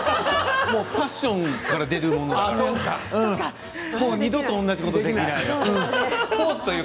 パッションから出るものだからもう二度と同じことができない。